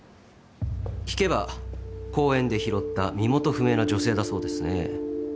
聞けば公園で拾った身元不明の女性だそうですね。